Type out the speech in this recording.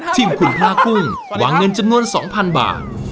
ชิมขุนพลากุ้งหวังเงินจนงวน๒๐๐๐บาท